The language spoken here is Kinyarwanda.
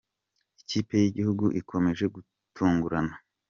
Ikipe y’ igihugu ikomeje gutungurana